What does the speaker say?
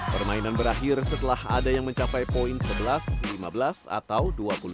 permainan berakhir setelah ada yang mencapai poin sebelas lima belas atau dua puluh satu